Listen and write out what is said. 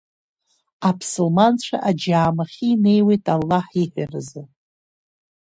Аԥсылманцәа аџьаамахьы инеиуеит Аллаҳ иҳәаразы.